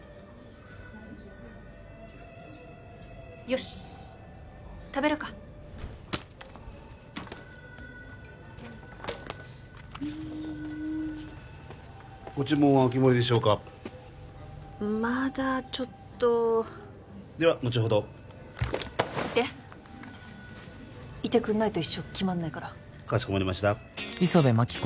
よし食べるかうんご注文はお決まりでしょうかまだちょっとではのちほどいていてくんないと一生決まんないから・かしこまりました磯部真紀子